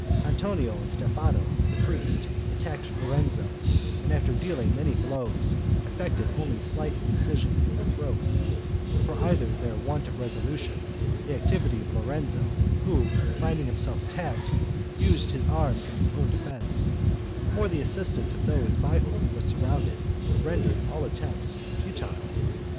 Antonio and Stefano, the priest, attacked Lorenzo, and after dealing many blows, effected only a slight incision in the throat; for either their want of resolution, the activity of Lorenzo, who, finding himself attacked, used his arms in his own defense, or the assistance of those by whom he was surrounded, rendered all attempts futile.